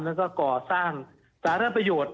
แล้วก็ก่อสร้างสาธารณประโยชน์